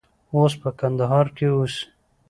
اوس په کندهار کې اوسي.